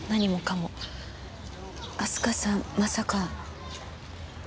明日香さんまさか。